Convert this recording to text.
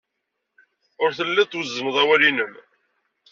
Ur telliḍ twezzneḍ awal-nnem.